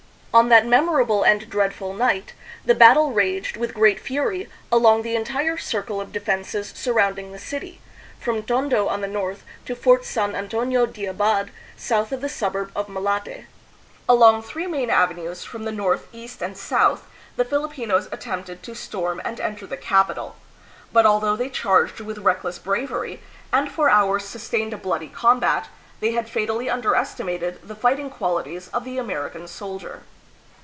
On that memorable and dreadful night, the battle raged with great fury along the entire circle of defenses surrounding the city, from Tondo on the north to Fort San Antonio de Abad, south of the suburb of Malate. Along three main avenues from the north, east, ancf south the Filipinos attempted to storm and enter the capital, but although they charged with reckless bravery, and for hours sustained a bloody AMERICA AND THE PHILIPPINES. 299 combat, they had fatally underestimated the fighting qualities of the American soldier.